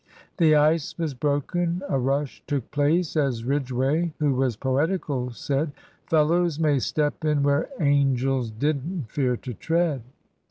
The ice thus broken, a rush took place, as Ridgway, who was poetical, said "Fellows may step in where angels didn't fear to tread."